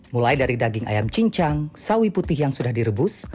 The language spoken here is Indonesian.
mulai dari daging ayam cincang sawi putih yang sudah direbus